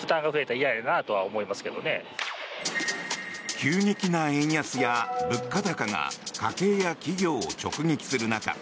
急激な円安や物価高が家計や企業を直撃する中